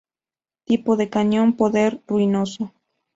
Tipo de cañón: "poder ruinoso".